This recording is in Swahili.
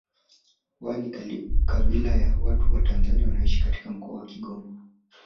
Waha ni kabila la watu wa Tanzania wanaoishi katika Mkoa wa Kigoma